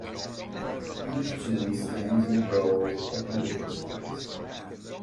Each tomb stands in a grove of beautiful trees.